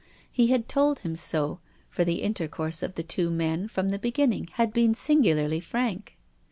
He had told him so, for the intercourse of the two men, from the beginning, had been singularly frank.